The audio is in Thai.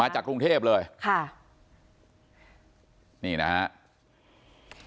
มาจากกรุงเทพฯเลยนี่นะครับ